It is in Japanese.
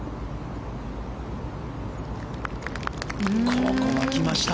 ここはきました！